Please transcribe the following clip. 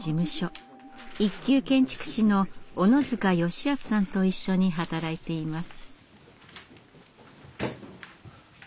一級建築士の小野塚良康さんと一緒に働いています。